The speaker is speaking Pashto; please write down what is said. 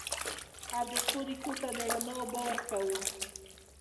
او د شپو رېښو ته د رڼا اوبه ورکوو